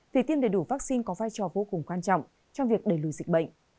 vì tiêm đầy đủ vaccine có vai trò vô cùng quan trọng trong việc đẩy lùi dịch bệnh